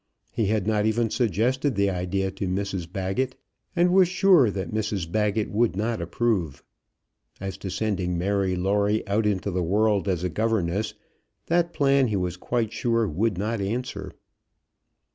He had not even suggested the idea to Mrs Baggett, and was sure that Mrs Baggett would not approve. As to sending Mary Lawrie out into the world as a governess; that plan he was quite sure would not answer.